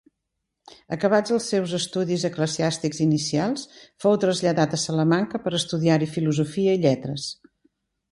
Acabats els seus estudis eclesiàstics inicials, fou traslladat a Salamanca per estudiar-hi filosofia i lletres.